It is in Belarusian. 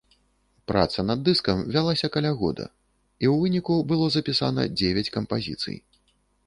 Праца над дыскам вялася каля года, і ў выніку было запісана дзевяць кампазіцый.